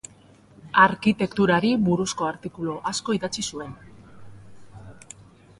Arkitekturari buruzko artikulu asko idatzi zuen.